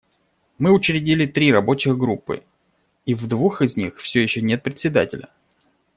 Мы учредили три рабочих группы, и в двух из них все еще нет Председателя.